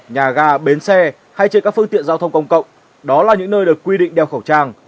nhà ga bến xe hay trên các phương tiện giao thông công cộng đó là những nơi được quy định đeo khẩu trang